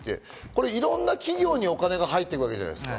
いろんな企業にお金が入っていくわけじゃないですか。